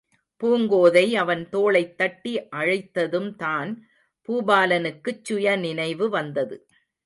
பூங்கோதை அவன் தோளைத் தட்டி அழைத்ததும்தான், பூபாலனுக்குச் சுயநினைவு வந்தது.